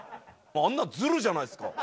あんなのずるじゃないですか。